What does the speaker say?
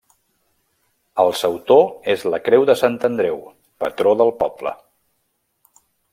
El sautor és la creu de Sant Andreu, patró del poble.